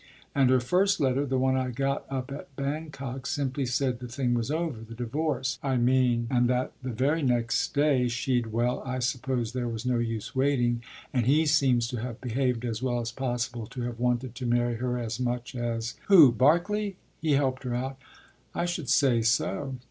And her first letter, the one I got up at Bangkok, simply said the thing was over the divorce, I mean and that the very next day she’d well, I suppose there was no use waiting; and he seems to have behaved as well as possible, to have wanted to marry her as much as ” “Who? Barkley?” he helped her out. “I should say so!